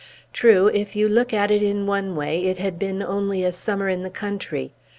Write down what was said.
True, if you look at it in one way, it had been only a summer in the country.